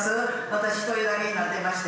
私一人だけになってまして。